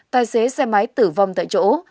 tài xế xe máy tử vong tại chỗ